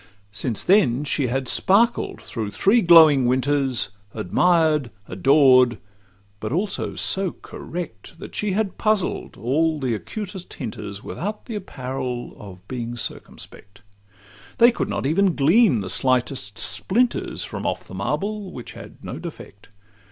Since then she had sparkled through three glowing winters, Admired, adored; but also so correct, That she had puzzled all the acutest hinters, Without the apparel of being circumspect: They could not even glean the slightest splinters From off the marble, which had no defect.